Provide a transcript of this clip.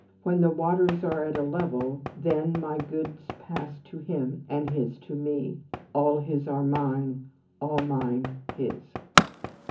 When the waters are at a level, then my goods pass to him, and his to me. All his are mine, all mine, his."